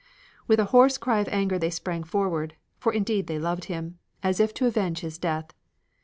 With a hoarse cry of anger they sprang forward (for, indeed they loved him), as if to avenge his death.